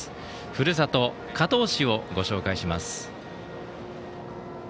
ふるさと、加東市をご紹介します。